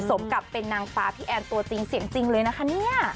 สมกับเป็นนางฟ้าพี่แอนตัวจริงเสียงจริงเลยนะคะเนี่ย